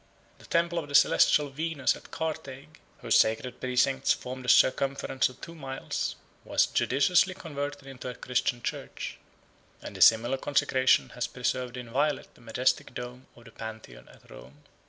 The temple of the Celestial Venus at Carthage, whose sacred precincts formed a circumference of two miles, was judiciously converted into a Christian church; 33 and a similar consecration has preserved inviolate the majestic dome of the Pantheon at Rome.